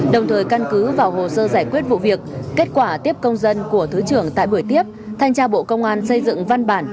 đồng thời căn cứ vào hồ sơ giải quyết vụ việc kết quả tiếp công dân của thứ trưởng tại buổi tiếp thanh tra bộ công an xây dựng văn bản